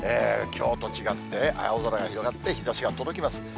きょうと違って青空が広がって、日ざしが届きます。